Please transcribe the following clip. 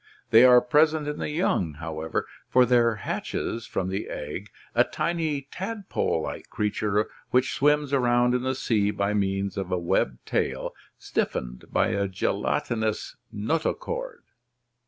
They are present in the young, however, for there hatches from the egg a tiny tadpole like creature which swims around in the sea by means of a webbed tail stiffened by a gelatinous notochord.